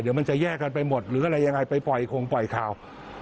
เดี๋ยวมันจะแยกกันไปหมดหรืออะไรยังไงไปปล่อยคงปล่อยข่าว